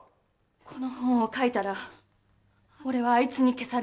「この本を書いたら俺はあいつに消されるかもしれない」